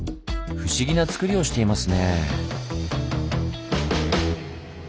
不思議な造りをしていますね。